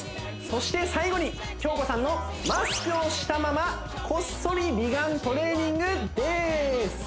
そして最後に京子さんのマスクをしたままこっそり美顔トレーニングです